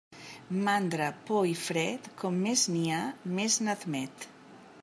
Mandra, por i fred, com més n'hi ha més n'admet.